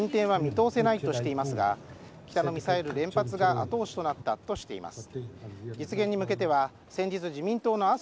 今回も関係者は進展は見通せないとしていますが機体のミサイルの連発が後押しとなったと話しています。